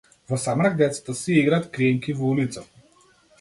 Во самрак децата си играат криенки во улицата.